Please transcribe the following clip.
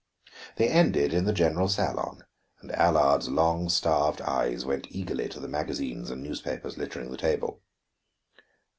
They ended in the general salon, and Allard's long starved eyes went eagerly to the magazines and newspapers littering the table.